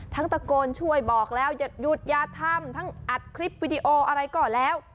ตะโกนช่วยบอกแล้วหยุดอย่าทำทั้งอัดคลิปวิดีโออะไรก็แล้ว